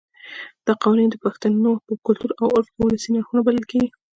دا قوانین د پښتنو په کلتور او عرف کې ولسي نرخونه بلل کېږي.